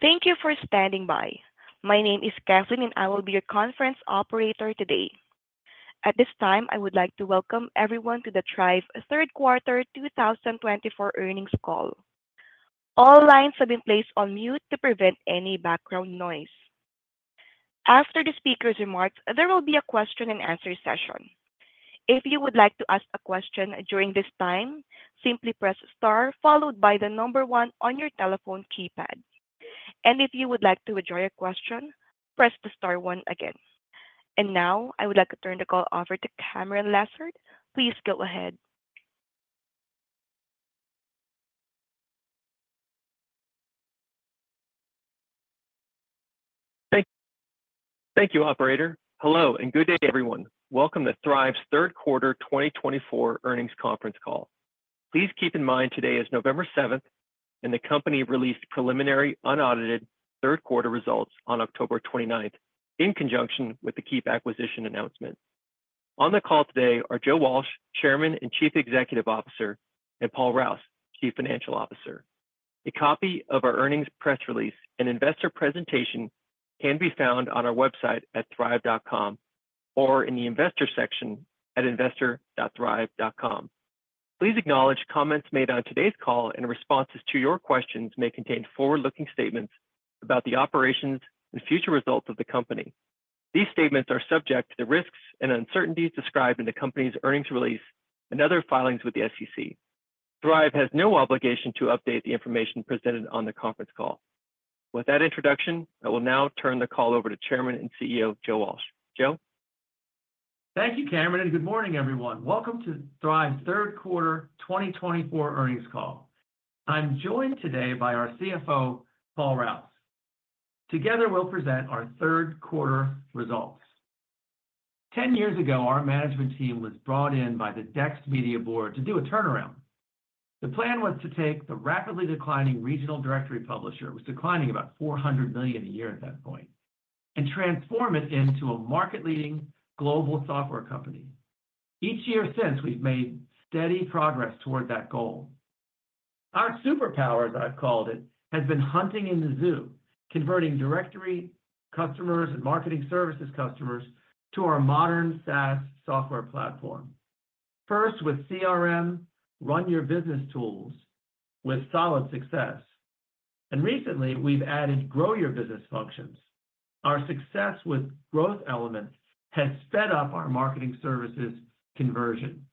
Thank you for standing by. My name is Kathleen, and I will be your conference operator today. At this time, I would like to welcome everyone to the Thryv third quarter 2024 earnings call. All lines have been placed on mute to prevent any background noise. After the speaker's remarks, there will be a question-and-answer session. If you would like to ask a question during this time, simply press star, followed by the number one on your telephone keypad. And if you would like to withdraw your question, press the star one again. And now, I would like to turn the call over to Cameron Lessard. Please go ahead. Thank you, Operator. Hello, and good day, everyone. Welcome to Thryv's third quarter 2024 earnings conference call. Please keep in mind today is November 7th, and the company released preliminary unaudited third quarter results on October 29th in conjunction with the Keap acquisition announcement. On the call today are Joe Walsh, Chairman and Chief Executive Officer, and Paul Rouse, Chief Financial Officer. A copy of our earnings press release and investor presentation can be found on our website at thryv.com or in the investor section at investor.thryv.com. Please note that comments made on today's call and responses to your questions may contain forward-looking statements about the operations and future results of the company. These statements are subject to the risks and uncertainties described in the company's earnings release and other filings with the SEC. Thryv has no obligation to update the information presented on the conference call. With that introduction, I will now turn the call over to Chairman and CEO Joe Walsh. Joe? Thank you, Cameron, and good morning, everyone. Welcome to Thryv's third quarter 2024 earnings call. I'm joined today by our CFO, Paul Rouse. Together, we'll present our third quarter results. Ten years ago, our management team was brought in by the Dex Media Board to do a turnaround. The plan was to take the rapidly declining regional directory publisher, which was declining about $400 million a year at that point, and transform it into a market-leading global software company. Each year since, we've made steady progress toward that goal. Our superpower, as I've called it, has been hunting in the zoo, converting directory customers and Marketing Services customers to our modern SaaS software platform. First, with CRM, Run Your Business tools, with solid success. And recently, we've added Grow Your Business functions. Our success with growth elements has sped up our Marketing Services conversion.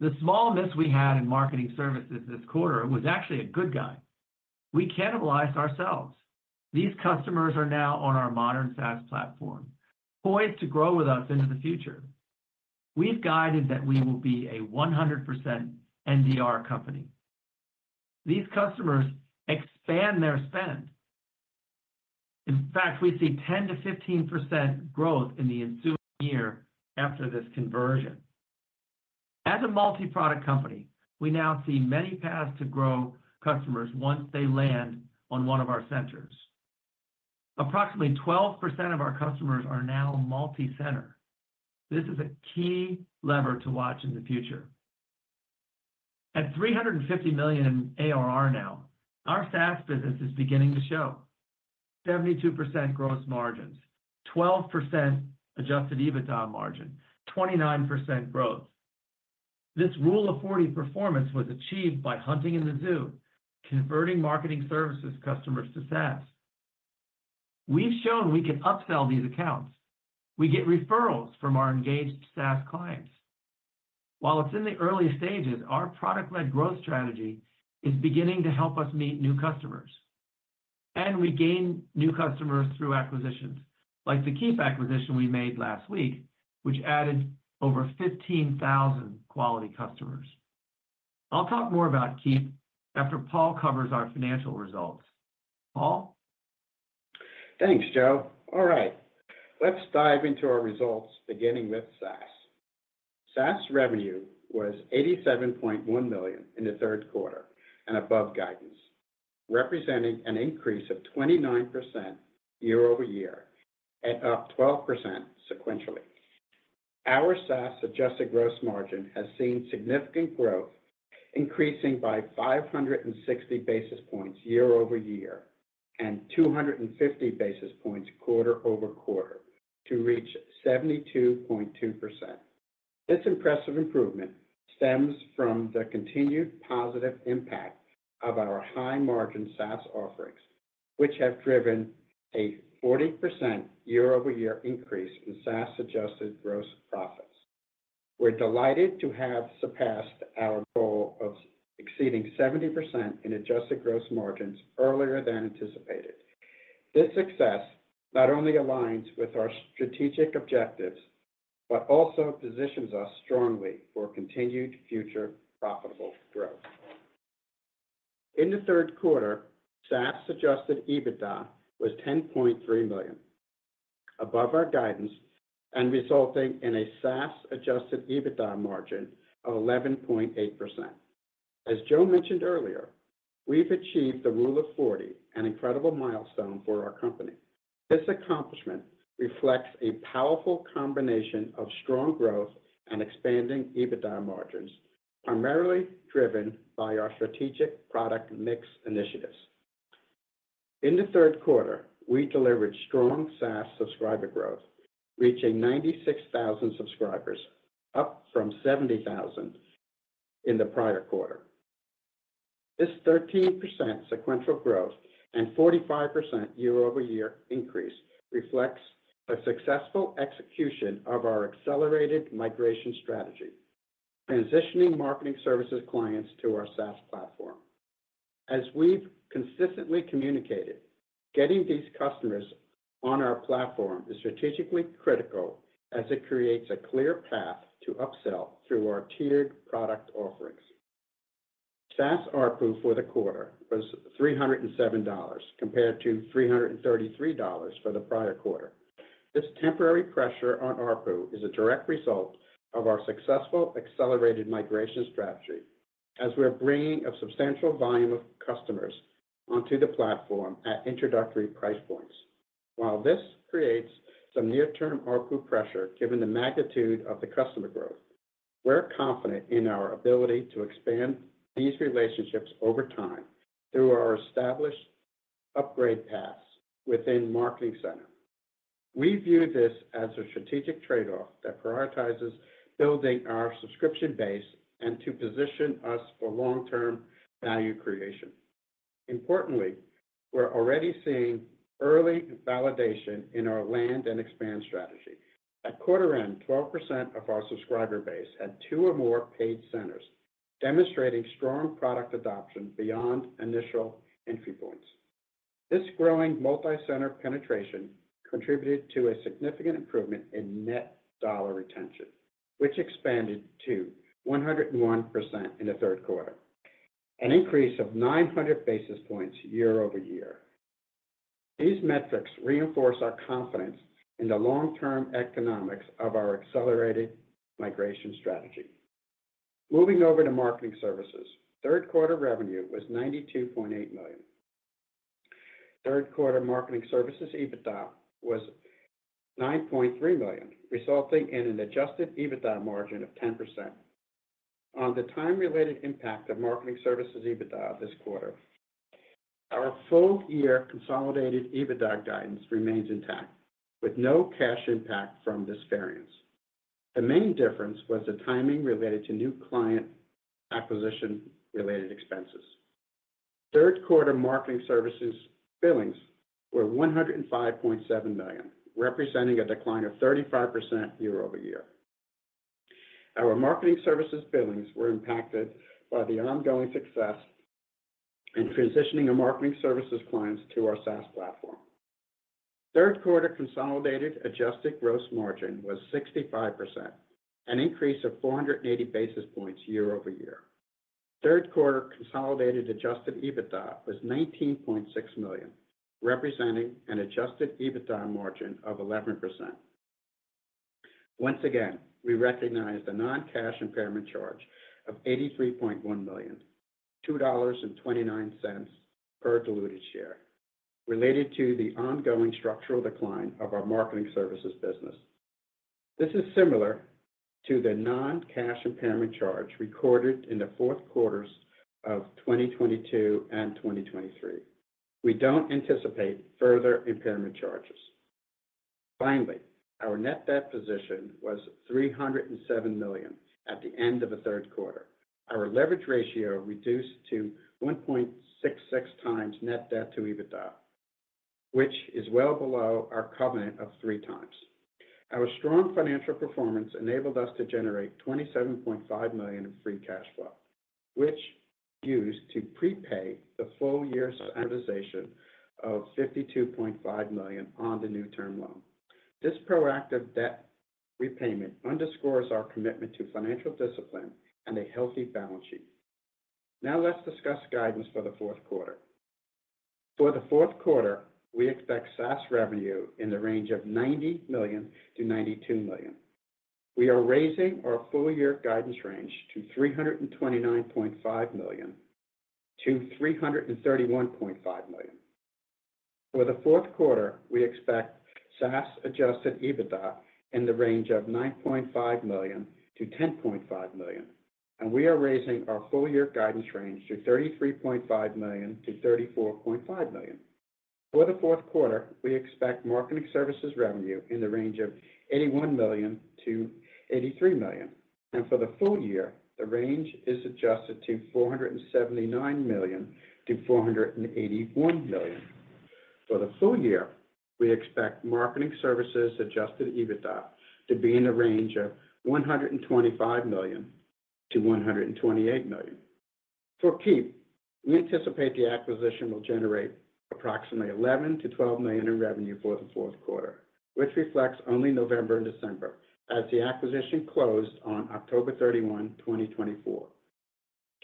The small miss we had in Marketing Services this quarter was actually a good guy. We cannibalized ourselves. These customers are now on our modern SaaS platform, poised to grow with us into the future. We've guided that we will be a 100% NDR company. These customers expand their spend. In fact, we see 10%-15% growth in the ensuing year after this conversion. As a multi-product company, we now see many paths to grow customers once they land on one of our centers. Approximately 12% of our customers are now multi-center. This is a key lever to watch in the future. At $350 million in ARR now, our SaaS business is beginning to show: 72% gross margins, 12% adjusted EBITDA margin, 29% growth. This Rule of 40 performance was achieved by hunting in the zoo, converting Marketing Services customers to SaaS. We've shown we can upsell these accounts. We get referrals from our engaged SaaS clients. While it's in the early stages, our product-led growth strategy is beginning to help us meet new customers. And we gain new customers through acquisitions, like the Keap acquisition we made last week, which added over 15,000 quality customers. I'll talk more about Keap after Paul covers our financial results. Paul? Thanks, Joe. All right. Let's dive into our results, beginning with SaaS. SaaS revenue was $87.1 million in the third quarter and above guidance, representing an increase of 29% year-over-year and up 12% sequentially. Our SaaS adjusted gross margin has seen significant growth, increasing by 560 basis points year-over-year and 250 basis points quarter-over-quarter to reach 72.2%. This impressive improvement stems from the continued positive impact of our high-margin SaaS offerings, which have driven a 40% year-over-year increase in SaaS adjusted gross profits. We're delighted to have surpassed our goal of exceeding 70% in adjusted gross margins earlier than anticipated. This success not only aligns with our strategic objectives but also positions us strongly for continued future profitable growth. In the third quarter, SaaS adjusted EBITDA was $10.3 million, above our guidance and resulting in a SaaS adjusted EBITDA margin of 11.8%. As Joe mentioned earlier, we've achieved the Rule of 40, an incredible milestone for our company. This accomplishment reflects a powerful combination of strong growth and expanding EBITDA margins, primarily driven by our strategic product mix initiatives. In the third quarter, we delivered strong SaaS subscriber growth, reaching 96,000 subscribers, up from 70,000 in the prior quarter. This 13% sequential growth and 45% year-over-year increase reflects a successful execution of our accelerated migration strategy, transitioning Marketing Services clients to our SaaS platform. As we've consistently communicated, getting these customers on our platform is strategically critical as it creates a clear path to upsell through our tiered product offerings. SaaS ARPU for the quarter was $307, compared to $333 for the prior quarter. This temporary pressure on ARPU is a direct result of our successful accelerated migration strategy, as we're bringing a substantial volume of customers onto the platform at introductory price points. While this creates some near-term ARPU pressure, given the magnitude of the customer growth, we're confident in our ability to expand these relationships over time through our established upgrade paths within Marketing Center. We view this as a strategic trade-off that prioritizes building our subscription base and to position us for long-term value creation. Importantly, we're already seeing early validation in our Land and Expand strategy. At quarter end, 12% of our subscriber base had two or more paid centers, demonstrating strong product adoption beyond initial entry points. This growing multi-center penetration contributed to a significant improvement in Net Dollar Retention, which expanded to 101% in the third quarter, an increase of 900 basis points year-over-year. These metrics reinforce our confidence in the long-term economics of our accelerated migration strategy. Moving over to Marketing Services, third quarter revenue was $92.8 million. Third quarter Marketing Services EBITDA was $9.3 million, resulting in an adjusted EBITDA margin of 10%. On the time-related impact of Marketing Services EBITDA this quarter, our full-year consolidated EBITDA guidance remains intact, with no cash impact from this variance. The main difference was the timing related to new client acquisition-related expenses. Third quarter Marketing Services billings were $105.7 million, representing a decline of 35% year-over-year. Our Marketing Services billings were impacted by the ongoing success in transitioning our Marketing Services clients to our SaaS platform. Third quarter consolidated adjusted gross margin was 65%, an increase of 480 basis points year-over-year. Third quarter consolidated adjusted EBITDA was $19.6 million, representing an adjusted EBITDA margin of 11%. Once again, we recognize the non-cash impairment charge of $83.1 million, $2.29 per diluted share, related to the ongoing structural decline of our Marketing Services business. This is similar to the non-cash impairment charge recorded in the quarters of 2022 and 2023. We don't anticipate further impairment charges. Finally, our net debt position was $307 million at the end of the quarter. Our leverage ratio reduced to 1.66x net debt to EBITDA, which is well below our covenant of 3x. Our strong financial performance enabled us to generate $27.5 million in free cash flow, which we used to prepay the full year's amortization of $52.5 million on the new term loan. This proactive debt repayment underscores our commitment to financial discipline and a healthy balance sheet. Now, let's discuss guidance for the quarter. For the fourth quarter, we expect SaaS revenue in the range of $90 million-$92 million. We are raising our full-year guidance range to $329.5 million-$331.5 million. For the fourth quarter, we expect SaaS adjusted EBITDA in the range of $9.5 million-$10.5 million. And we are raising our full-year guidance range to $33.5 million-$34.5 million. For the fourth quarter, we expect Marketing Services revenue in the range of $81 million-$83 million. And for the full year, the range is adjusted to $479 million-$481 million. For the full year, we expect Marketing Services adjusted EBITDA to be in the range of $125 million-$128 million. For Keap, we anticipate the acquisition will generate approximately $11 million-$12 million in revenue for the fourth quarter, which reflects only November and December, as the acquisition closed on October 31, 2024.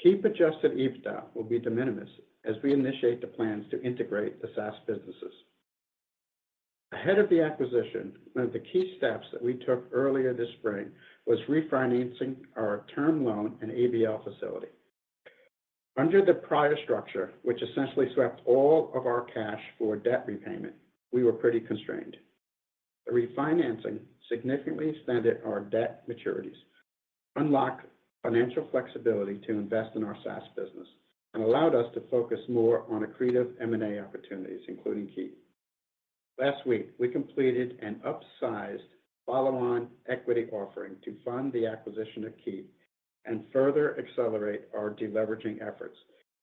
Keap adjusted EBITDA will be de minimis as we initiate the plans to integrate the SaaS businesses. Ahead of the acquisition, one of the key steps that we took earlier this spring was refinancing our term loan and ABL facility. Under the prior structure, which essentially swept all of our cash for debt repayment, we were pretty constrained. The refinancing significantly extended our debt maturities, unlocked financial flexibility to invest in our SaaS business, and allowed us to focus more on accretive M&A opportunities, including Keap. Last week, we completed an upsized follow-on equity offering to fund the acquisition of Keap and further accelerate our deleveraging efforts.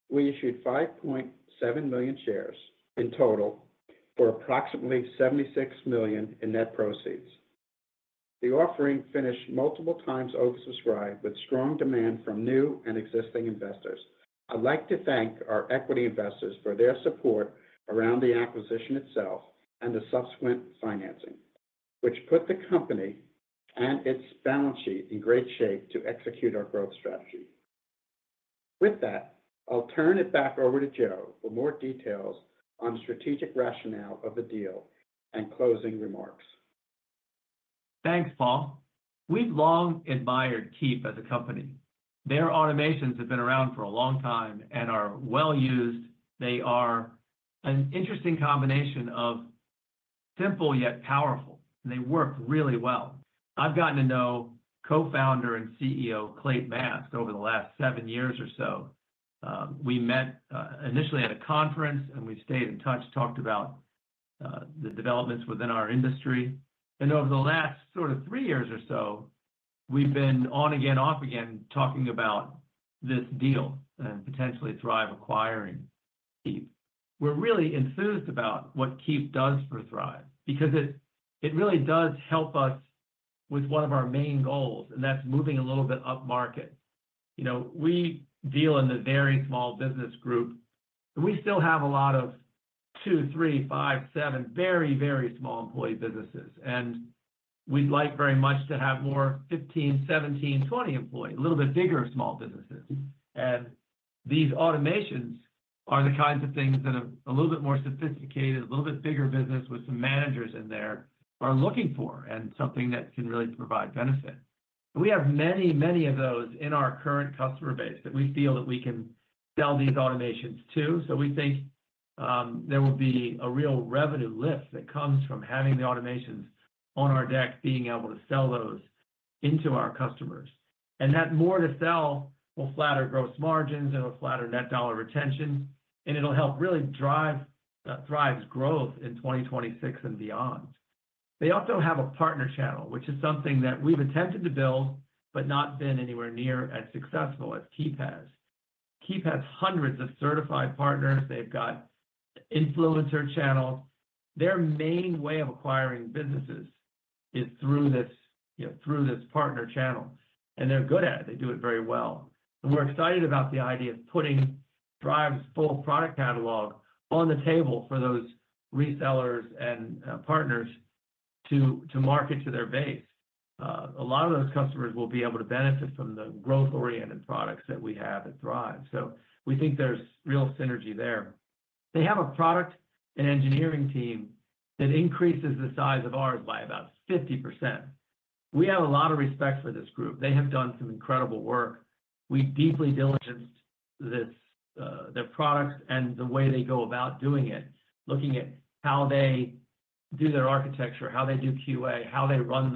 We issued 5.7 million shares in total for approximately $76 million in net proceeds. The offering finished multiple times oversubscribed with strong demand from new and existing investors. I'd like to thank our equity investors for their support around the acquisition itself and the subsequent financing, which put the company and its balance sheet in great shape to execute our growth strategy. With that, I'll turn it back over to Joe for more details on the strategic rationale of the deal and closing remarks. Thanks, Paul. We've long admired Keap as a company. Their automations have been around for a long time and are well used. They are an interesting combination of simple yet powerful, and they work really well. I've gotten to know co-founder and CEO Clate Mask over the last seven years or so. We met initially at a conference, and we stayed in touch, talked about the developments within our industry, and over the last sort of three years or so, we've been on again, off again, talking about this deal and potentially Thryv acquiring Keap. We're really enthused about what Keap does for Thryv because it really does help us with one of our main goals, and that's moving a little bit up market. You know, we deal in the very small business group, and we still have a lot of two, three, five, seven, very, very small employee businesses. We'd like very much to have more 15-, 17-, 20-employee, a little bit bigger small businesses. These automations are the kinds of things that a little bit more sophisticated, a little bit bigger business with some managers in there are looking for and something that can really provide benefit. We have many, many of those in our current customer base that we feel that we can sell these automations to. We think there will be a real revenue lift that comes from having the automations on our deck, being able to sell those into our customers. That more to sell will flatter gross margins, and it'll flatter net dollar retention, and it'll help really drive Thryv's growth in 2026 and beyond. They also have a partner channel, which is something that we've attempted to build but not been anywhere near as successful as Keap has. Keap has hundreds of certified partners. They've got influencer channels. Their main way of acquiring businesses is through this, you know, through this partner channel. And they're good at it. They do it very well. And we're excited about the idea of putting Thryv's full product catalog on the table for those resellers and partners to market to their base. A lot of those customers will be able to benefit from the growth-oriented products that we have at Thryv. So we think there's real synergy there. They have a product and engineering team that increases the size of ours by about 50%. We have a lot of respect for this group. They have done some incredible work. We deeply diligenced their product and the way they go about doing it, looking at how they do their architecture, how they do QA, how they run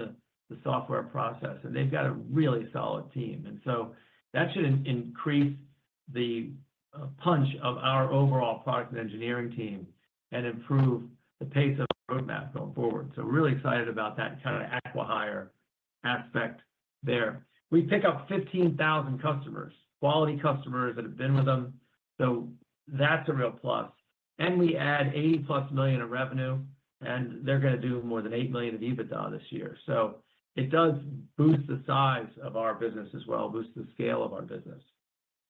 the software process. And they've got a really solid team. And so that should increase the punch of our overall product and engineering team and improve the pace of the roadmap going forward. So we're really excited about that kind of acquihire aspect there. We pick up 15,000 customers, quality customers that have been with them. So that's a real plus. And we add $80+ million in revenue, and they're going to do more than $8 million of EBITDA this year. So it does boost the size of our business as well, boosts the scale of our business.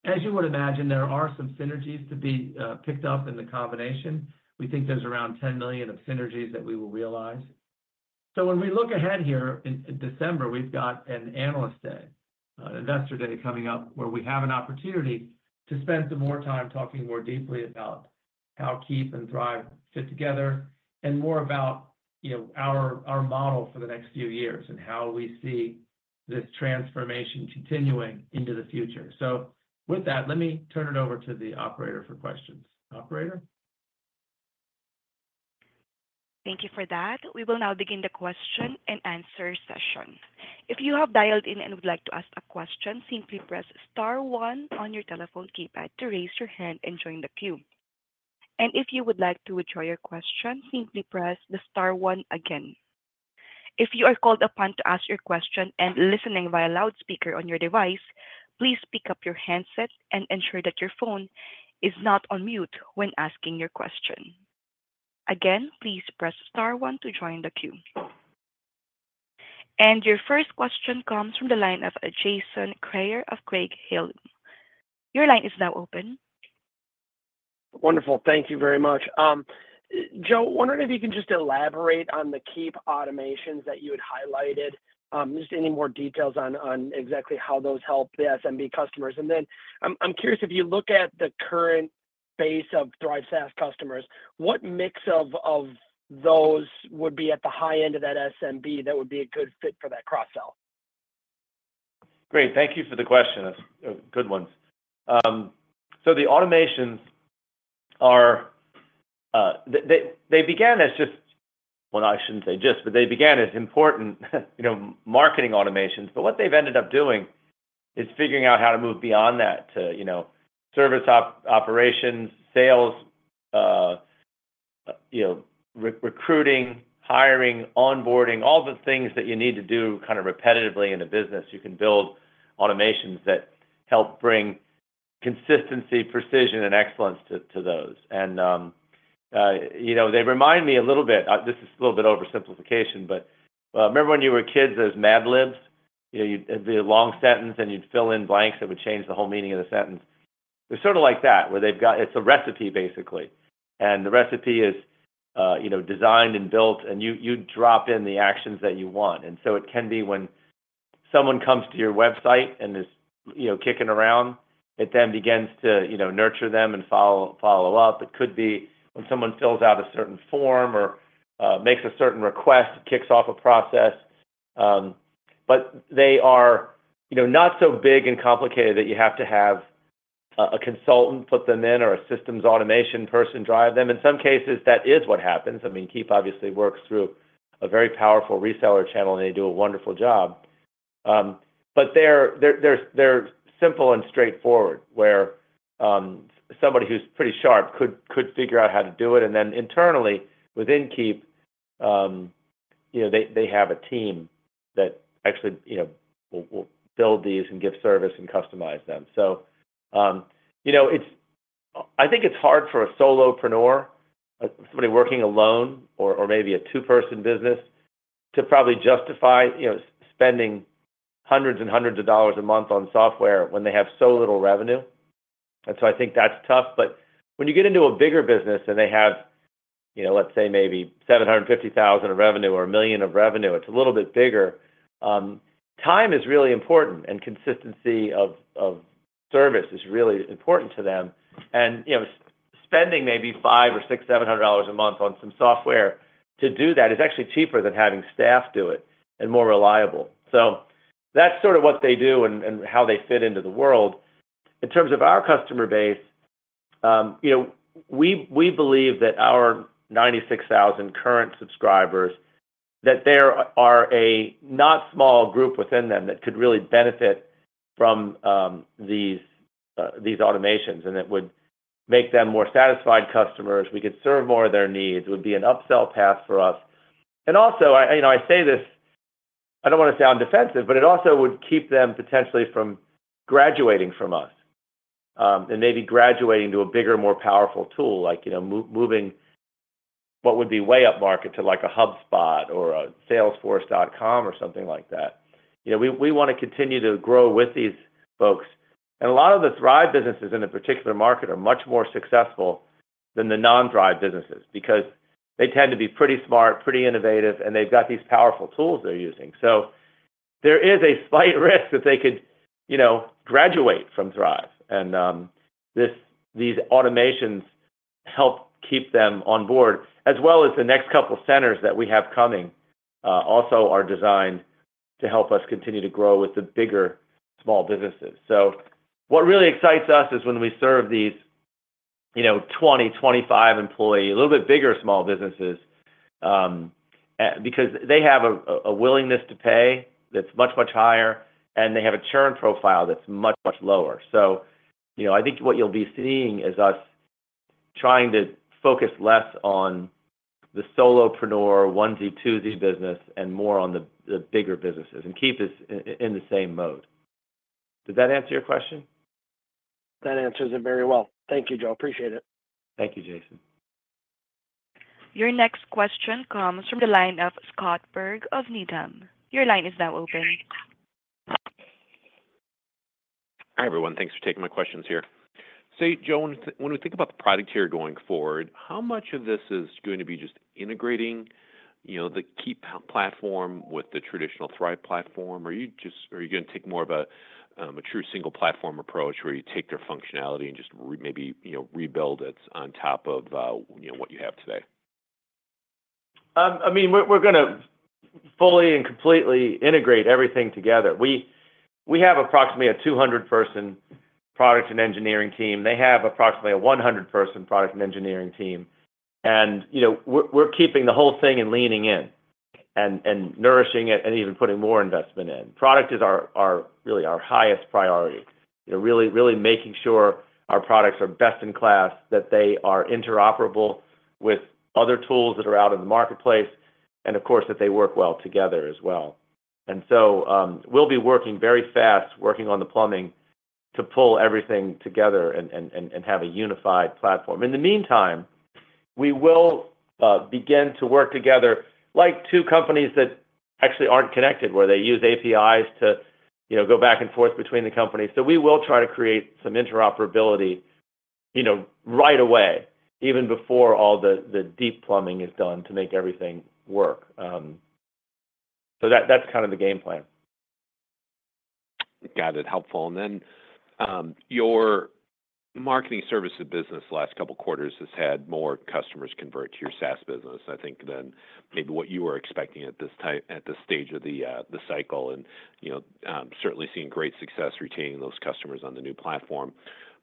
As you would imagine, there are some synergies to be picked up in the combination. We think there's around $10 million of synergies that we will realize. So when we look ahead here in December, we've got an Analyst Day, an Investor Day coming up where we have an opportunity to spend some more time talking more deeply about how Keap and Thryv fit together and more about, you know, our model for the next few years and how we see this transformation continuing into the future. So with that, let me turn it over to the operator for questions. Operator? Thank you for that. We will now begin the question and answer session. If you have dialed in and would like to ask a question, simply press Star 1 on your telephone keypad to raise your hand and join the queue. And if you would like to withdraw your question, simply press the Star 1 again. If you are called upon to ask your question and listening via loudspeaker on your device, please pick up your handset and ensure that your phone is not on mute when asking your question. Again, please press Star 1 to join the queue. And your first question comes from the line of Jason Kreyer of Craig-Hallum. Your line is now open. Wonderful. Thank you very much. Joe, I'm wondering if you can just elaborate on the Keap automations that you had highlighted, just any more details on exactly how those help the SMB customers. And then I'm curious, if you look at the current base of Thryv SaaS customers, what mix of those would be at the high end of that SMB that would be a good fit for that cross-sell? Great. Thank you for the question. Good ones. So the automations are they began as just, well, I shouldn't say just, but they began as important, you know, marketing automations. But what they've ended up doing is figuring out how to move beyond that to, you know, service operations, sales, you know, recruiting, hiring, onboarding, all the things that you need to do kind of repetitively in a business. You can build automations that help bring consistency, precision, and excellence to those. And, you know, they remind me a little bit. This is a little bit oversimplification, but remember when you were kids, there were Mad Libs? You know, you'd have the long sentence, and you'd fill in blanks that would change the whole meaning of the sentence. They're sort of like that, where they've got it's a recipe, basically. And the recipe is, you know, designed and built, and you drop in the actions that you want. And so it can be when someone comes to your website and is, you know, kicking around, it then begins to, you know, nurture them and follow up. It could be when someone fills out a certain form or makes a certain request, it kicks off a process. But they are, you know, not so big and complicated that you have to have a consultant put them in or a systems automation person drive them. In some cases, that is what happens. I mean, Keap obviously works through a very powerful reseller channel, and they do a wonderful job. But they're simple and straightforward, where somebody who's pretty sharp could figure out how to do it. Then internally within Keap, you know, they have a team that actually, you know, will build these and give service and customize them. So, you know, it's, I think, hard for a solopreneur, somebody working alone or maybe a two-person business, to probably justify, you know, spending hundreds and hundreds of dollars a month on software when they have so little revenue. And so I think that's tough. But when you get into a bigger business and they have, you know, let's say maybe $750,000 of revenue or $1 million of revenue, it's a little bit bigger. Time is really important, and consistency of service is really important to them. And, you know, spending maybe $500 or $600, $700 a month on some software to do that is actually cheaper than having staff do it and more reliable. So that's sort of what they do and how they fit into the world. In terms of our customer base, you know, we believe that our 96,000 current subscribers, that there are a not small group within them that could really benefit from these automations and that would make them more satisfied customers. We could serve more of their needs. It would be an upsell path for us. And also, you know, I say this, I don't want to sound defensive, but it also would keep them potentially from graduating from us and maybe graduating to a bigger, more powerful tool, like, you know, moving what would be way up market to like a HubSpot or a Salesforce.com or something like that. You know, we want to continue to grow with these folks. A lot of the Thryv businesses in a particular market are much more successful than the non-Thryv businesses because they tend to be pretty smart, pretty innovative, and they've got these powerful tools they're using. So there is a slight risk that they could, you know, graduate from Thryv. And these automations help keep them on board, as well as the next couple of centers that we have coming also are designed to help us continue to grow with the bigger small businesses. So what really excites us is when we serve these, you know, 20, 25-employee, a little bit bigger small businesses because they have a willingness to pay that's much, much higher, and they have a churn profile that's much, much lower. So, you know, I think what you'll be seeing is us trying to focus less on the solopreneur onesy-twosy business and more on the bigger businesses. And Keap is in the same mode. Did that answer your question? That answers it very well. Thank you, Joe. Appreciate it. Thank you, Jason. Your next question comes from the line of Scott Berg of Needham. Your line is now open. Hi, everyone. Thanks for taking my questions here. So, Joe, when we think about the product here going forward, how much of this is going to be just integrating, you know, the Keap platform with the traditional Thryv platform? Or are you going to take more of a true single-platform approach where you take their functionality and just maybe, you know, rebuild it on top of, you know, what you have today? I mean, we're going to fully and completely integrate everything together. We have approximately a 200-person product and engineering team. They have approximately a 100-person product and engineering team. And, you know, we're keeping the whole thing and leaning in and nourishing it and even putting more investment in. Product is really our highest priority, you know, really, really making sure our products are best in class, that they are interoperable with other tools that are out in the marketplace, and, of course, that they work well together as well. And so we'll be working very fast, working on the plumbing to pull everything together and have a unified platform. In the meantime, we will begin to work together like two companies that actually aren't connected where they use APIs to, you know, go back and forth between the companies. So we will try to create some interoperability, you know, right away, even before all the deep plumbing is done to make everything work. So that's kind of the game plan. Got it. Helpful. And then your Marketing Services business last couple of quarters has had more customers convert to your SaaS business, I think, than maybe what you were expecting at this stage of the cycle. And, you know, certainly seeing great success retaining those customers on the new platform.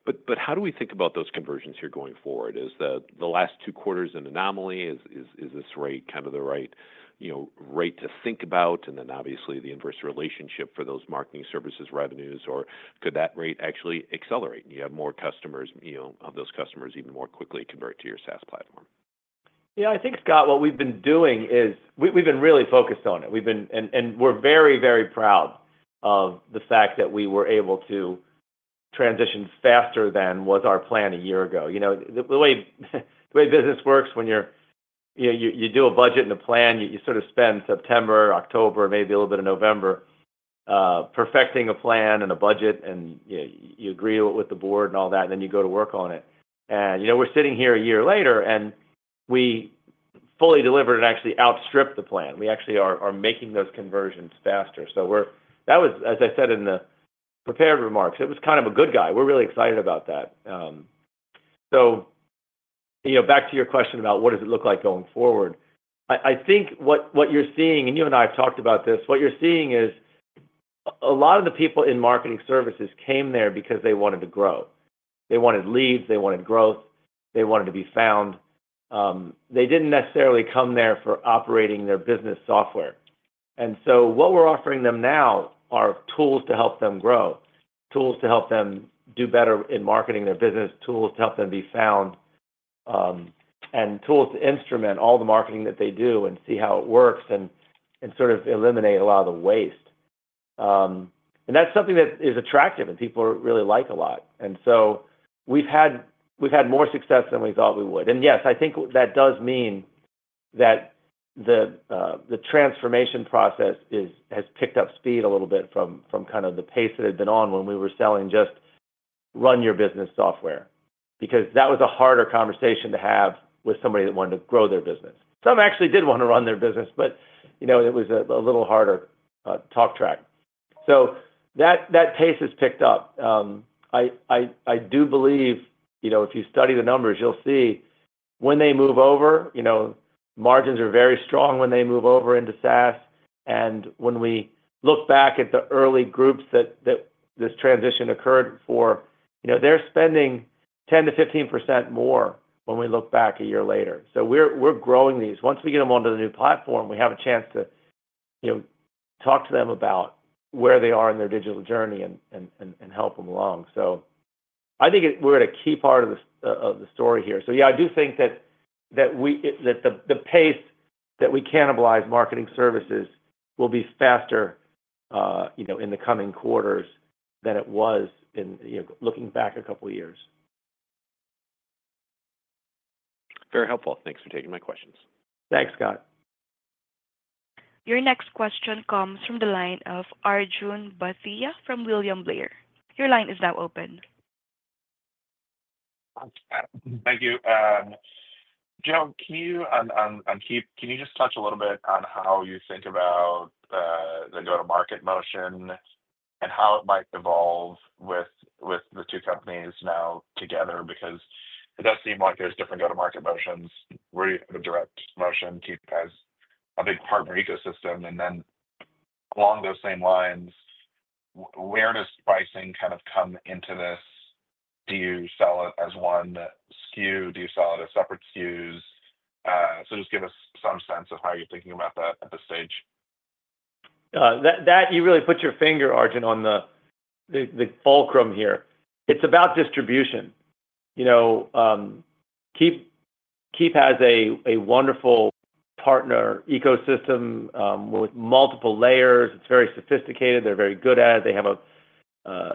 But how do we think about those conversions here going forward? Is the last two quarters an anomaly? Is this rate kind of the right, you know, rate to think about? And then obviously the inverse relationship for those Marketing Services revenues, or could that rate actually accelerate and you have more customers, you know, of those customers even more quickly convert to your SaaS platform? Yeah, I think, Scott, what we've been doing is we've been really focused on it. We're very, very proud of the fact that we were able to transition faster than was our plan a year ago. You know, the way business works when you're, you know, you do a budget and a plan, you sort of spend September, October, maybe a little bit of November perfecting a plan and a budget, and you agree with the board and all that, and then you go to work on it. You know, we're sitting here a year later and we fully delivered and actually outstripped the plan. We actually are making those conversions faster. So, that was, as I said in the prepared remarks, it was kind of a good thing. We're really excited about that. So, you know, back to your question about what does it look like going forward? I think what you're seeing, and you and I have talked about this, what you're seeing is a lot of the people in Marketing Services came there because they wanted to grow. They wanted leads. They wanted growth. They wanted to be found. They didn't necessarily come there for operating their business software. And so what we're offering them now are tools to help them grow, tools to help them do better in marketing their business, tools to help them be found, and tools to instrument all the marketing that they do and see how it works and sort of eliminate a lot of the waste. And that's something that is attractive and people really like a lot. And so we've had more success than we thought we would. Yes, I think that does mean that the transformation process has picked up speed a little bit from kind of the pace that had been on when we were selling just run-your-business software because that was a harder conversation to have with somebody that wanted to grow their business. Some actually did want to run their business, but, you know, it was a little harder talk track. That pace has picked up. I do believe, you know, if you study the numbers, you'll see when they move over, you know, margins are very strong when they move over into SaaS. When we look back at the early groups that this transition occurred for, you know, they're spending 10%-15% more when we look back a year later. We're growing these. Once we get them onto the new platform, we have a chance to, you know, talk to them about where they are in their digital journey and help them along. So I think we're at a key part of the story here. So, yeah, I do think that the pace that we cannibalize Marketing Services will be faster, you know, in the coming quarters than it was in, you know, looking back a couple of years. Very helpful. Thanks for taking my questions. Thanks, Scott. Your next question comes from the line of Arjun Bhatia from William Blair. Your line is now open. Thank you. Joe, can you on Keap, can you just touch a little bit on how you think about the go-to-market motion and how it might evolve with the two companies now together? Because it does seem like there's different go-to-market motions. We're a direct motion. Keap has a big partner ecosystem. And then along those same lines, where does pricing kind of come into this? Do you sell it as one SKU? Do you sell it as separate SKUs? So just give us some sense of how you're thinking about that at this stage. That you really put your finger, Arjun, on the fulcrum here. It's about distribution. You know, Keap has a wonderful partner ecosystem with multiple layers. It's very sophisticated. They're very good at it. They have a,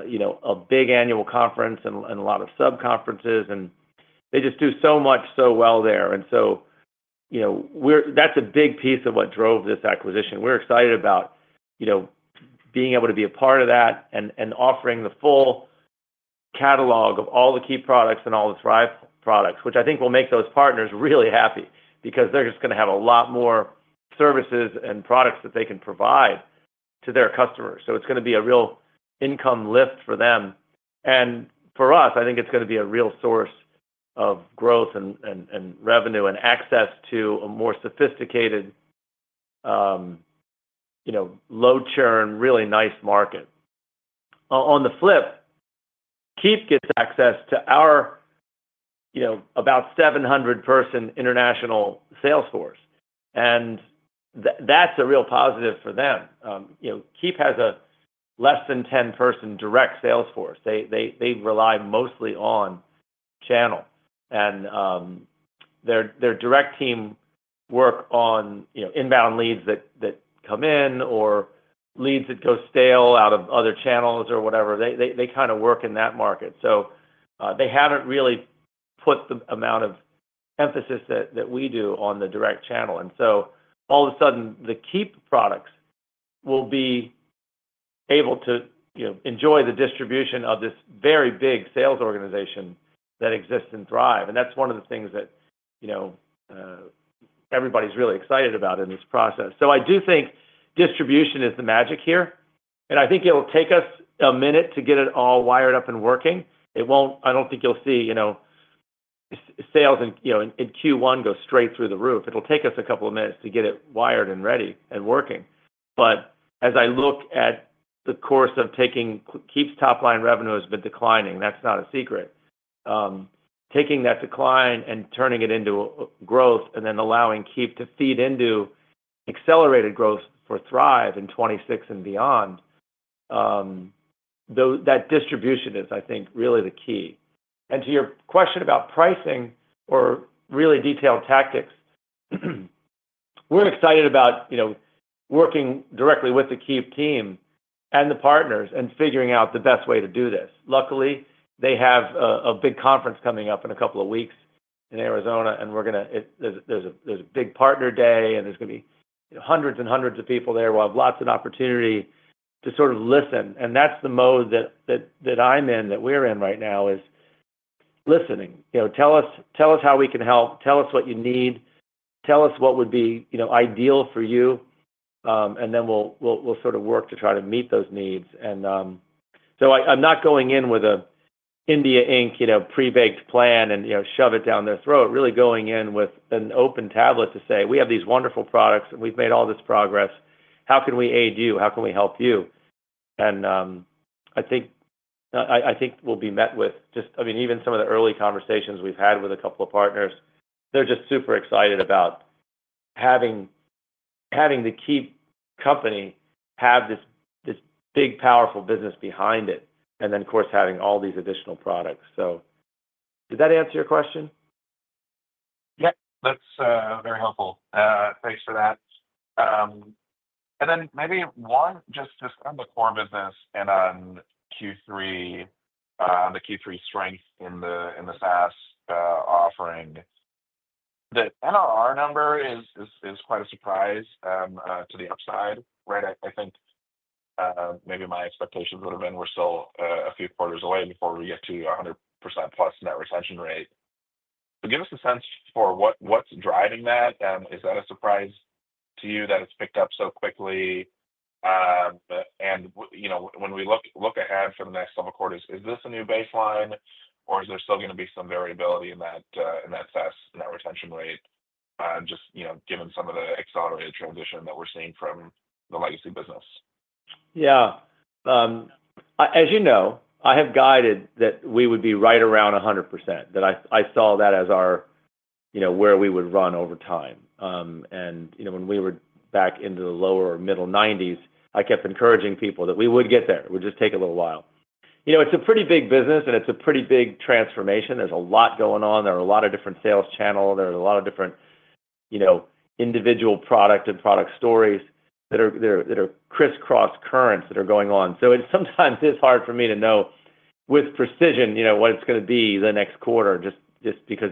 you know, a big annual conference and a lot of sub-conferences. And they just do so much so well there. And so, you know, that's a big piece of what drove this acquisition. We're excited about, you know, being able to be a part of that and offering the full catalog of all the Keap products and all the Thryv products, which I think will make those partners really happy because they're just going to have a lot more services and products that they can provide to their customers. So it's going to be a real income lift for them. For us, I think it's going to be a real source of growth and revenue and access to a more sophisticated, you know, low churn, really nice market. On the flip, Keap gets access to our, you know, about 700-person international sales force. And that's a real positive for them. You know, Keap has a less than 10-person direct sales force. They rely mostly on channel. And their direct team work on, you know, inbound leads that come in or leads that go stale out of other channels or whatever. They kind of work in that market. So they haven't really put the amount of emphasis that we do on the direct channel. And so all of a sudden, the Keap products will be able to, you know, enjoy the distribution of this very big sales organization that exists in Thryv. That's one of the things that, you know, everybody's really excited about in this process. So I do think distribution is the magic here. And I think it'll take us a minute to get it all wired up and working. It won't. I don't think you'll see, you know, sales in, you know, in Q1 go straight through the roof. It'll take us a couple of minutes to get it wired and ready and working. But as I look at the course of taking Keap's top-line revenue has been declining. That's not a secret. Taking that decline and turning it into growth and then allowing Keap to feed into accelerated growth for Thryv in 2026 and beyond, that distribution is, I think, really the key. And to your question about pricing or really detailed tactics, we're excited about, you know, working directly with the Keap team and the partners and figuring out the best way to do this. Luckily, they have a big conference coming up in a couple of weeks in Arizona. And we're going to. There's a big Partner Day and there's going to be hundreds and hundreds of people there. We'll have lots of opportunity to sort of listen. And that's the mode that I'm in, that we're in right now is listening. You know, tell us how we can help. Tell us what you need. Tell us what would be, you know, ideal for you. And then we'll sort of work to try to meet those needs. And so I'm not going in with an India ink, you know, pre-baked plan and, you know, shove it down their throat. Really going in with an open tablet to say, "We have these wonderful products and we've made all this progress. How can we aid you? How can we help you?" And I think we'll be met with just, I mean, even some of the early conversations we've had with a couple of partners, they're just super excited about having the Keap company have this big, powerful business behind it. And then, of course, having all these additional products. So did that answer your question? Yeah. That's very helpful. Thanks for that. And then maybe one just on the core business and on Q3, the Q3 strength in the SaaS offering. The NRR number is quite a surprise to the upside, right? I think maybe my expectations would have been we're still a few quarters away before we get to 100% plus net retention rate. So give us a sense for what's driving that. Is that a surprise to you that it's picked up so quickly? And, you know, when we look ahead for the next several quarters, is this a new baseline or is there still going to be some variability in that SaaS, in that retention rate, just, you know, given some of the accelerated transition that we're seeing from the legacy business? Yeah. As you know, I have guided that we would be right around 100%, that I saw that as our, you know, where we would run over time. You know, when we were back into the lower or middle 90s%, I kept encouraging people that we would get there. It would just take a little while. You know, it's a pretty big business and it's a pretty big transformation. There's a lot going on. There are a lot of different sales channels. There are a lot of different, you know, individual product and product stories that are crisscross currents that are going on. So it sometimes is hard for me to know with precision, you know, what it's going to be the next quarter just because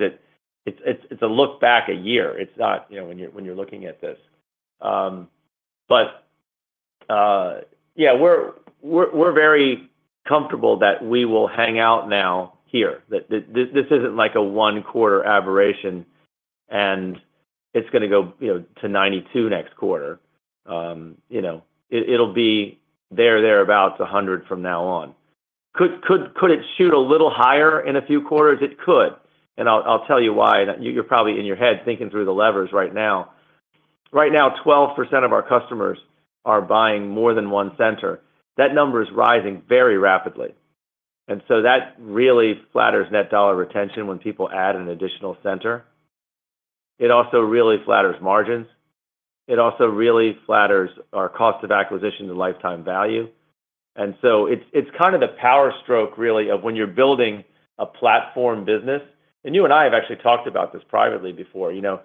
it's a look back a year. It's not, you know, when you're looking at this. But, yeah, we're very comfortable that we will hang out now here. This isn't like a one-quarter aberration and it's going to go to 92 next quarter. You know, it'll be there, thereabouts 100 from now on. Could it shoot a little higher in a few quarters? It could. And I'll tell you why. You're probably in your head thinking through the levers right now. Right now, 12% of our customers are buying more than one center. That number is rising very rapidly. And so that really flatters net dollar retention when people add an additional center. It also really flatters margins. It also really flatters our cost of acquisition to lifetime value. And so it's kind of the power stroke, really, of when you're building a platform business. And you and I have actually talked about this privately before. You know,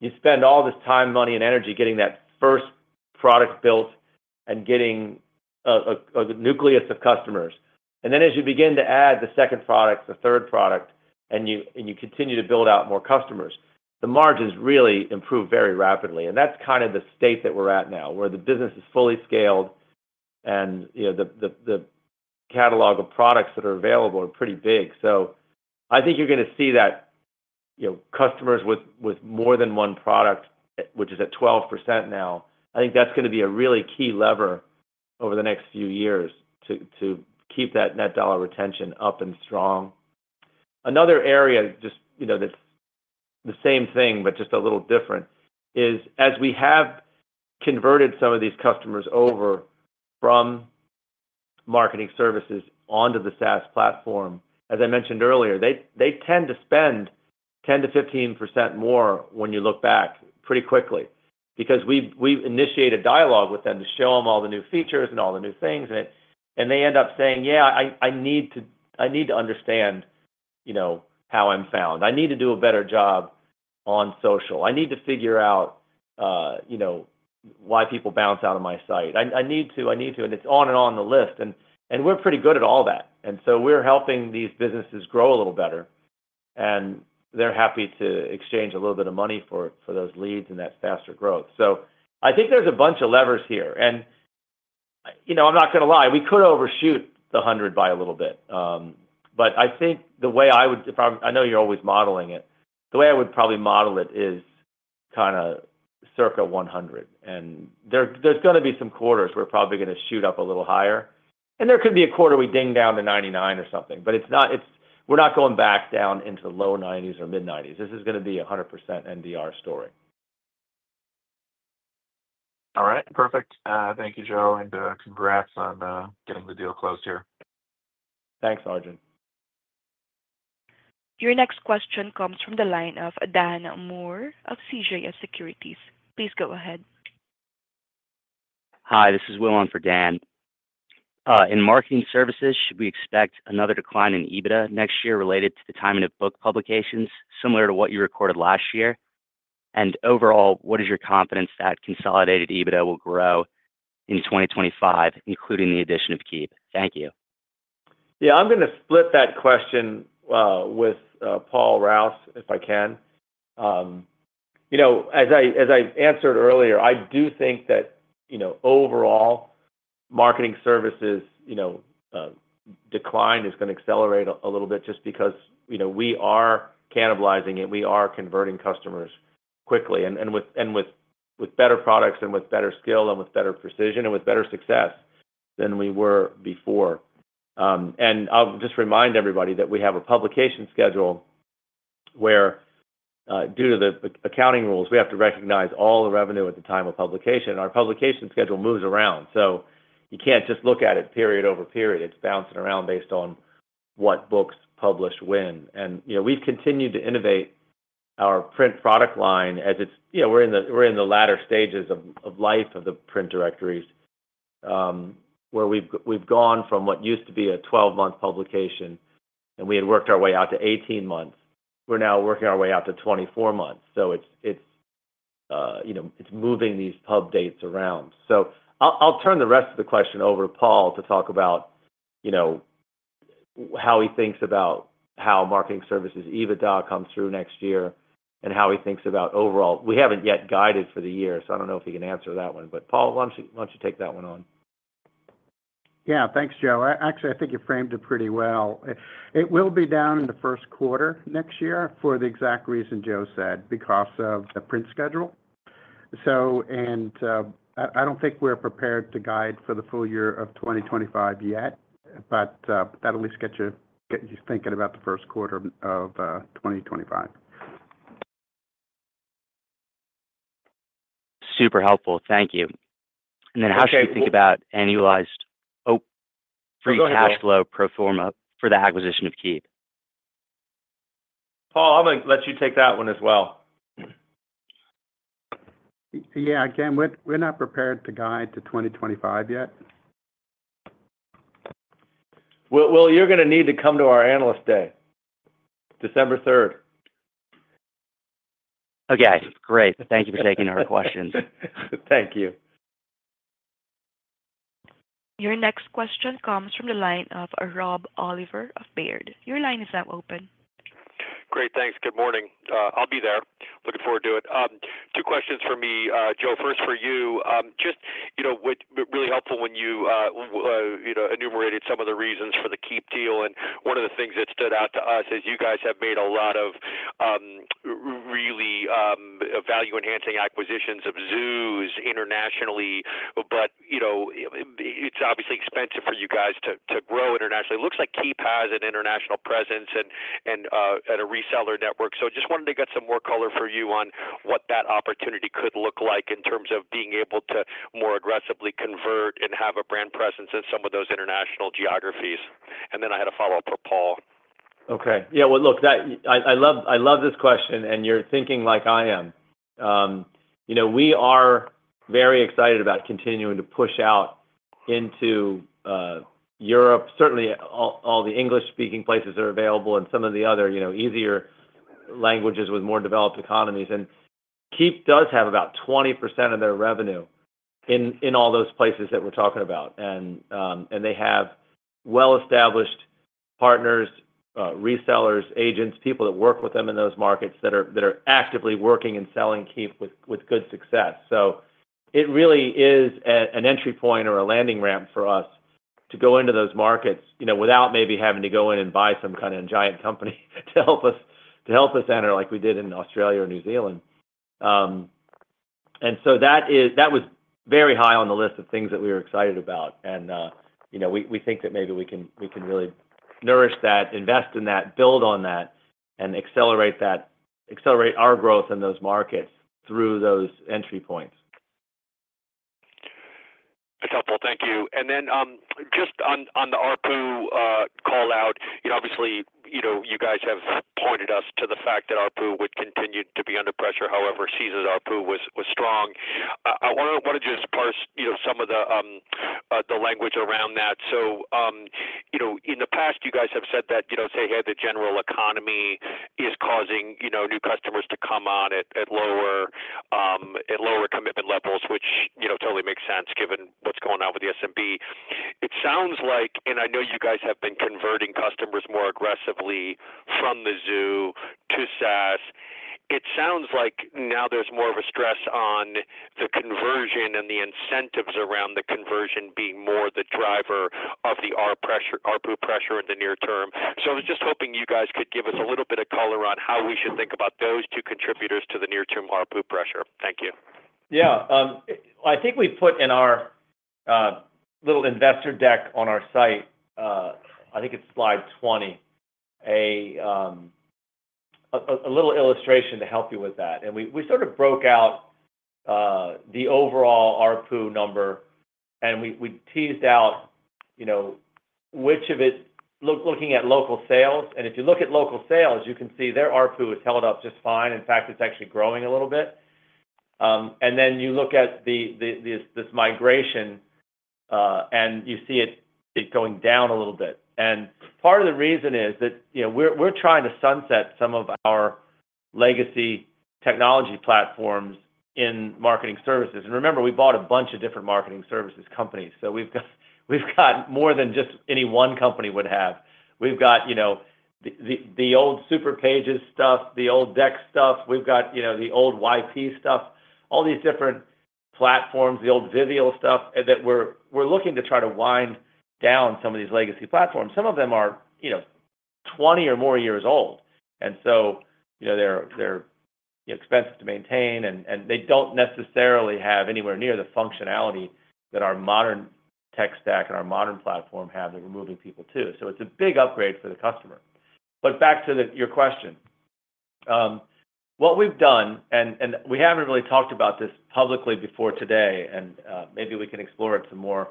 you spend all this time, money, and energy getting that first product built and getting a nucleus of customers. And then as you begin to add the second product, the third product, and you continue to build out more customers, the margins really improve very rapidly. And that's kind of the state that we're at now where the business is fully scaled and, you know, the catalog of products that are available are pretty big. So I think you're going to see that, you know, customers with more than one product, which is at 12% now, I think that's going to be a really key lever over the next few years to keep that net dollar retention up and strong. Another area just, you know, that's the same thing, but just a little different is as we have converted some of these customers over from Marketing Services onto the SaaS platform, as I mentioned earlier, they tend to spend 10%-15% more when you look back pretty quickly because we initiate a dialogue with them to show them all the new features and all the new things. And they end up saying, "Yeah, I need to understand, you know, how I'm found. I need to do a better job on social. I need to figure out, you know, why people bounce out of my site. I need to, I need to." And it's on and on the list. And we're pretty good at all that. And so we're helping these businesses grow a little better. And they're happy to exchange a little bit of money for those leads and that faster growth. So I think there's a bunch of levers here. And, you know, I'm not going to lie, we could overshoot the 100 by a little bit. But I think the way I would, I know you're always modeling it, the way I would probably model it is kind of circa 100. And there's going to be some quarters we're probably going to shoot up a little higher. And there could be a quarter we ding down to 99 or something. But it's not, we're not going back down into low 90s or mid 90s. This is going to be a 100% NDR story. All right. Perfect. Thank you, Joe. And congrats on getting the deal closed here. Thanks, Arjun. Your next question comes from the line of Dan Moore of CJS Securities. Please go ahead. Hi, this is Will on for Dan. In Marketing Services, should we expect another decline in EBITDA next year related to the timing of book publications similar to what you recorded last year? And overall, what is your confidence that consolidated EBITDA will grow in 2025, including the addition of Keap? Thank you. Yeah, I'm going to split that question with Paul Rouse, if I can. You know, as I answered earlier, I do think that, you know, overall, Marketing Services, you know, decline is going to accelerate a little bit just because, you know, we are cannibalizing and we are converting customers quickly, and with better products and with better skill and with better precision and with better success than we were before, and I'll just remind everybody that we have a publication schedule where, due to the accounting rules, we have to recognize all the revenue at the time of publication. Our publication schedule moves around. So you can't just look at it period over period. It's bouncing around based on what books publish when. You know, we've continued to innovate our print product line as it's, you know, we're in the latter stages of life of the print directories where we've gone from what used to be a 12-month publication and we had worked our way out to 18 months. We're now working our way out to 24 months. It's, you know, it's moving these pub dates around. I'll turn the rest of the question over to Paul to talk about, you know, how he thinks about how Marketing Services EBITDA come through next year and how he thinks about overall. We haven't yet guided for the year. I don't know if he can answer that one. Paul, why don't you take that one on? Yeah, thanks, Joe. Actually, I think you framed it pretty well. It will be down in the first quarter next year for the exact reason Joe said, because of the print schedule. So, and I don't think we're prepared to guide for the full year of 2025 yet, but that'll at least get you thinking about the first quarter of 2025. Super helpful. Thank you. And then how should we think about annualized Free Cash Flow pro forma for the acquisition of Keap? Paul, I'm going to let you take that one as well. Yeah, again, we're not prepared to guide to 2025 yet. You're going to need to come to our Analyst Day, December 3rd. Okay. Great. Thank you for taking our questions. Thank you. Your next question comes from the line of Rob Oliver of Baird. Your line is now open. Great. Thanks. Good morning. I'll be there. Looking forward to it. Two questions for me, Joe. First for you. Just, you know, really helpful when you, you know, enumerated some of the reasons for the Keap deal and one of the things that stood out to us is you guys have made a lot of really value-enhancing acquisitions of zoos internationally, but you know, it's obviously expensive for you guys to grow internationally. It looks like Keap has an international presence and a reseller network, so just wanted to get some more color for you on what that opportunity could look like in terms of being able to more aggressively convert and have a brand presence in some of those international geographies, and then I had a follow-up for Paul. Okay. Yeah. Well, look, I love this question and you're thinking like I am. You know, we are very excited about continuing to push out into Europe. Certainly, all the English-speaking places are available and some of the other, you know, easier languages with more developed economies. And Keap does have about 20% of their revenue in all those places that we're talking about. And they have well-established partners, resellers, agents, people that work with them in those markets that are actively working and selling Keap with good success. So it really is an entry point or a landing ramp for us to go into those markets, you know, without maybe having to go in and buy some kind of giant company to help us enter like we did in Australia or New Zealand. And so that was very high on the list of things that we were excited about. You know, we think that maybe we can really nourish that, invest in that, build on that, and accelerate our growth in those markets through those entry points. That's helpful. Thank you. And then just on the ARPU call-out, you know, obviously, you know, you guys have pointed us to the fact that ARPU would continue to be under pressure. However, Keap's ARPU was strong. I want to just parse, you know, some of the language around that. So, you know, in the past, you guys have said that, you know, say, hey, the general economy is causing, you know, new customers to come on at lower commitment levels, which, you know, totally makes sense given what's going on with the SMB. It sounds like, and I know you guys have been converting customers more aggressively from the zoo to SaaS. It sounds like now there's more of a stress on the conversion and the incentives around the conversion being more the driver of the ARPU pressure in the near term. So I was just hoping you guys could give us a little bit of color on how we should think about those two contributors to the near-term ARPU pressure? Thank you. Yeah. I think we put in our little investor deck on our site. I think it's slide 20, a little illustration to help you with that. We sort of broke out the overall ARPU number and we teased out, you know, which of it, looking at local sales. If you look at local sales, you can see their ARPU is held up just fine. In fact, it's actually growing a little bit. Then you look at this migration and you see it going down a little bit. Part of the reason is that, you know, we're trying to sunset some of our legacy technology platforms in Marketing Services. Remember, we bought a bunch of different Marketing Services companies. So we've got more than just any one company would have. We've got, you know, the old Superpages stuff, the old Dex stuff. We've got, you know, the old YP stuff, all these different platforms, the old Vivial stuff that we're looking to try to wind down some of these legacy platforms. Some of them are, you know, 20 or more years old, and so, you know, they're expensive to maintain and they don't necessarily have anywhere near the functionality that our modern tech stack and our modern platform have that we're moving people to, so it's a big upgrade for the customer. But back to your question, what we've done, and we haven't really talked about this publicly before today, and maybe we can explore it some more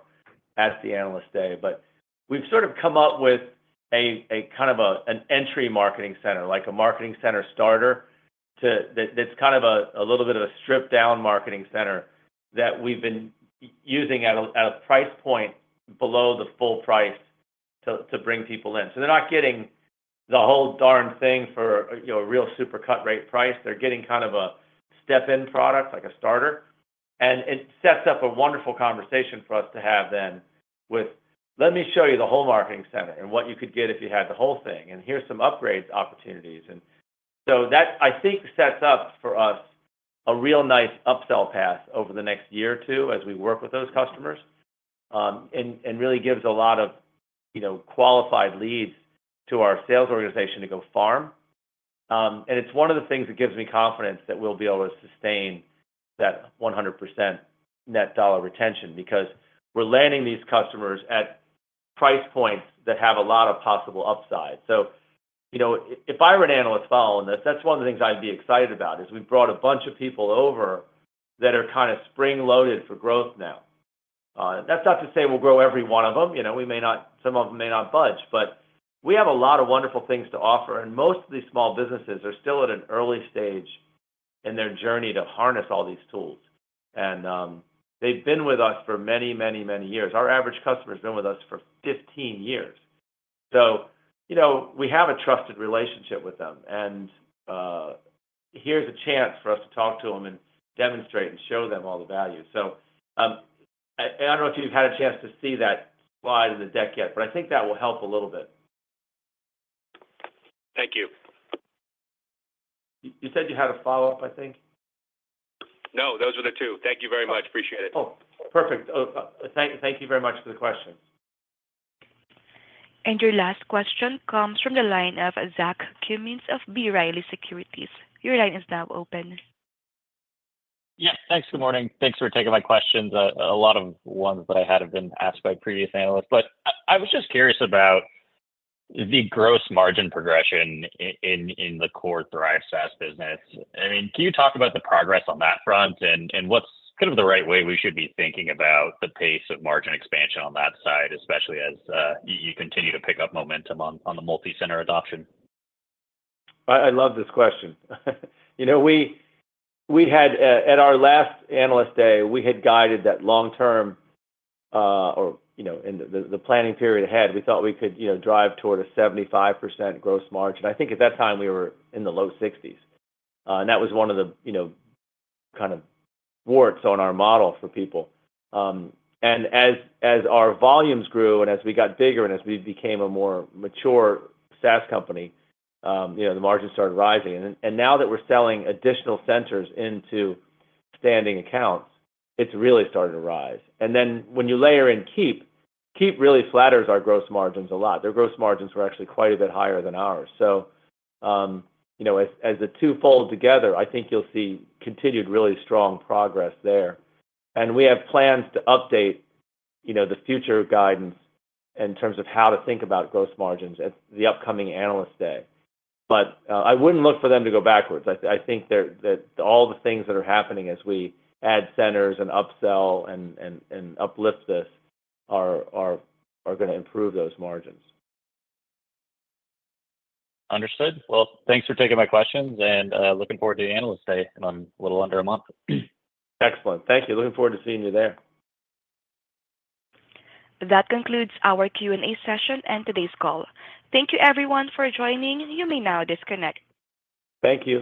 as the Analyst Day, but we've sort of come up with a kind of an entry Marketing Center, like a Marketing Center Starter that's kind of a little bit of a stripped-down Marketing Center that we've been using at a price point below the full price to bring people in. So they're not getting the whole darn thing for a real super cut-rate price. They're getting kind of a step-in product, like a starter. And it sets up a wonderful conversation for us to have then with, "Let me show you the whole Marketing Center and what you could get if you had the whole thing. And here's some upgrade opportunities." And so that, I think, sets up for us a real nice upsell path over the next year or two as we work with those customers and really gives a lot of, you know, qualified leads to our sales organization to go farm. And it's one of the things that gives me confidence that we'll be able to sustain that 100% net dollar retention because we're landing these customers at price points that have a lot of possible upside. So, you know, if I were an analyst following this, that's one of the things I'd be excited about is we've brought a bunch of people over that are kind of spring-loaded for growth now. That's not to say we'll grow every one of them. You know, we may not, some of them may not budge. But we have a lot of wonderful things to offer. And most of these small businesses are still at an early stage in their journey to harness all these tools. And they've been with us for many, many, many years. Our average customer has been with us for 15 years. So, you know, we have a trusted relationship with them. And here's a chance for us to talk to them and demonstrate and show them all the value. So I don't know if you've had a chance to see that slide in the deck yet, but I think that will help a little bit. Thank you. You said you had a follow-up, I think? No, those were the two. Thank you very much. Appreciate it. Oh, perfect. Thank you very much for the questions. And your last question comes from the line of Zach Cummins of B. Riley Securities. Your line is now open. Yes. Thanks. Good morning. Thanks for taking my questions. A lot of ones that I had have been asked by previous analysts. But I was just curious about the gross margin progression in the core Thryv SaaS business. I mean, can you talk about the progress on that front and what's kind of the right way we should be thinking about the pace of margin expansion on that side, especially as you continue to pick up momentum on the multi-center adoption? I love this question. You know, we had, at our last Analyst Day, we had guided that long-term or, you know, in the planning period ahead, we thought we could, you know, drive toward a 75% gross margin. I think at that time we were in the low 60s, and that was one of the, you know, kind of warts on our model for people. And as our volumes grew and as we got bigger and as we became a more mature SaaS company, you know, the margin started rising. And now that we're selling additional centers into standing accounts, it's really started to rise. And then when you layer in Keap, Keap really flatters our gross margins a lot. Their gross margins were actually quite a bit higher than ours. So, you know, as the two fold together, I think you'll see continued really strong progress there. We have plans to update, you know, the future guidance in terms of how to think about gross margins at the upcoming Analyst Day. But I wouldn't look for them to go backwards. I think that all the things that are happening as we add centers and upsell and uplift this are going to improve those margins. Understood. Well, thanks for taking my questions and looking forward to the Analyst Day in a little under a month. Excellent. Thank you. Looking forward to seeing you there. That concludes our Q&A session and today's call. Thank you, everyone, for joining. You may now disconnect. Thank you.